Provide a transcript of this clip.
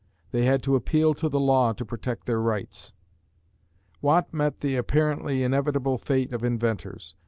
They had to appeal to the law to protect their rights. Watt met the apparently inevitable fate of inventors.